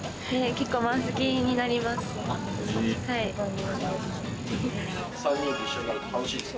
結構満席になります。